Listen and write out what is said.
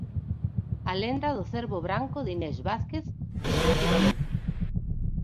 A lenda do cervo branco de Inés Vázquez, respectivamente.